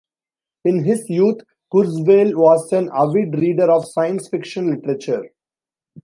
In his youth, Kurzweil was an avid reader of science fiction literature.